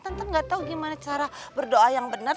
tante gak tau gimana cara berdoa yang bener